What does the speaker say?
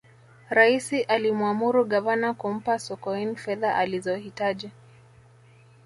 raisi alimwamuru gavana kumpa sokoine fedha alizohitaji